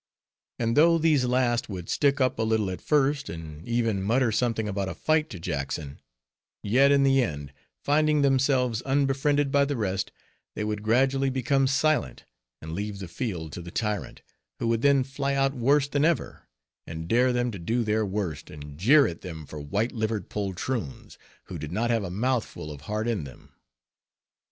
And though these last would stick up a little at first, and even mutter something about a fight to Jackson; yet in the end, finding themselves unbefriended by the rest, they would gradually become silent, and leave the field to the tyrant, who would then fly out worse than ever, and dare them to do their worst, and jeer at them for white livered poltroons, who did not have a mouthful of heart in them.